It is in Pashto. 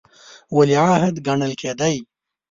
ولیعهد ګڼل کېدی.